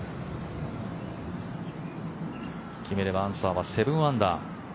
決めればアンサーは７アンダー。